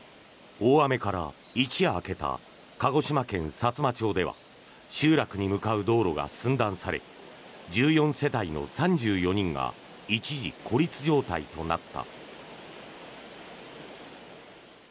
大雨から一夜明けた鹿児島県さつま町では集落に向かう道路が寸断され１４世帯の３４人が一時、孤立状態となった。